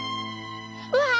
うわ！